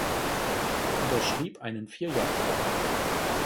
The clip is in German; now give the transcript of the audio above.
Er unterschrieb einen Vier-Jahres-Vertrag.